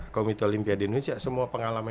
komite olimpiade indonesia semua pengalaman